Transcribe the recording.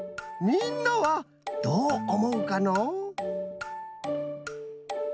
みんなはどうおもうかのう？